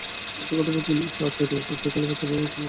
একটা কথা প্রচলিত, চার্লস এডওয়ার্ডস একটা কালো বাচ্চার বাবা হয়েছিলেন।